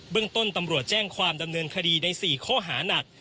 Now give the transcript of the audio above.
เรื่องต้นตำรวจแจ้งความดำเนินคดีใน๔ข้อหานัก